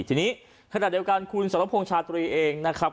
ทีนี้ขณะเดียวกันคุณสรพงษ์ชาตรีเองนะครับ